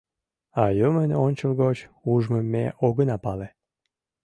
А Юмын ончылгоч ужмым ме огына пале.